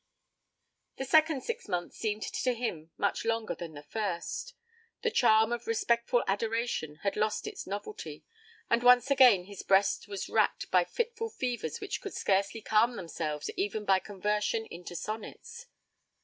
The second six months seemed to him much longer than the first. The charm of respectful adoration had lost its novelty, and once again his breast was racked by fitful fevers which could scarcely calm themselves even by conversion into sonnets.